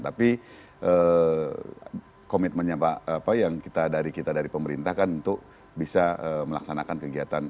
tapi komitmennya pak pak yang kita dari pemerintah kan untuk bisa melaksanakan kegiatan